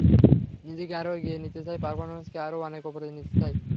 নিজেকে আরও এগিয়ে নিতে চাই, পারফরম্যান্সকে আরও অনেক ওপরে নিতে চাই।